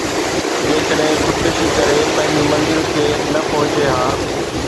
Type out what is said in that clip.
جيڪڏهن خودڪشي ڪري پنهنجي منزل تي نه پهچي ها